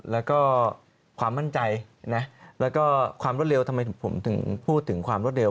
แล้วก็ความมั่นใจนะแล้วก็ความรวดเร็วทำไมผมถึงพูดถึงความรวดเร็